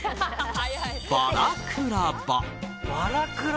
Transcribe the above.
バラクラバ。